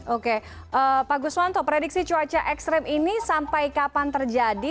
oke pak guswanto prediksi cuaca ekstrim ini sampai kapan terjadi